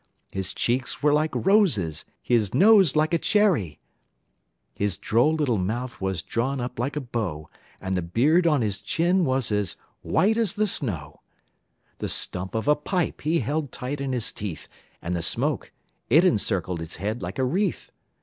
His cheeks were like roses, his nose like a cherry; His droll little mouth was drawn up like a bow, And the beard on his chin was as white as the snow; The stump of a pipe he held tight in his teeth, And the smoke, it encircled his head like a wreath.